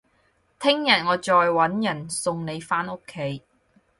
聽日我再搵人送你返屋企